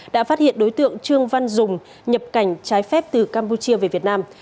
đã phát hiện đối tượng trương văn dùng nhập cảnh trái phép từ campuchia về việt nam